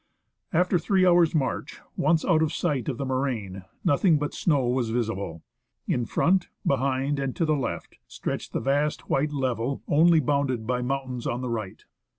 After three hours' march, once out of sight of the moraine, nothing but snow was visible. In front, behind, and to the left, stretched the vast white level, only bounded by mountains on the right.